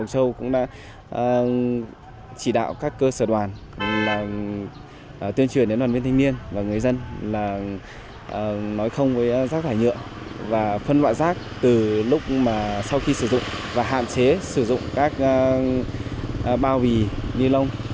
sau khi sử dụng và hạn chế sử dụng các bao vỉ niên lông